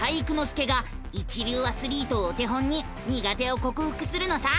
介が一流アスリートをお手本に苦手をこくふくするのさ！